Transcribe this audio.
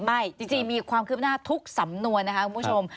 ไม่จริงมีความคืบหน้าทุกสำนวนนะคะคุณผู้ชม